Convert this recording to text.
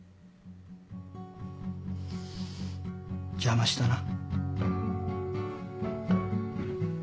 邪魔したな。